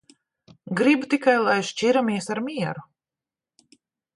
Gribu tikai, lai šķiramies ar mieru.